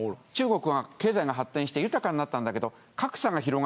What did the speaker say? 中国は経済が発展して豊かになったんだけど。